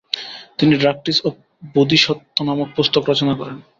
তিনি doctrines of Bodhisattva নামক পুস্তক রচনা করেন।